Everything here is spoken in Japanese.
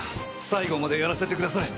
最後までやらせてください！